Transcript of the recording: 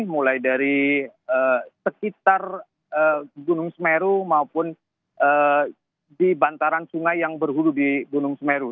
mulai dari sekitar gunung semeru maupun di bantaran sungai yang berhulu di gunung semeru